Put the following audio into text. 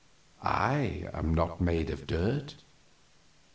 I am not made of dirt.